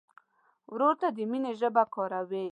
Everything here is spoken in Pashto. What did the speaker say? ورور ته د مینې ژبه کاروې.